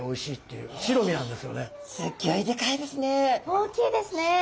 大きいですね。